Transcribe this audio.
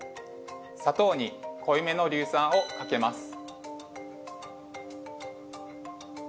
砂糖に濃いめの硫酸をかけます。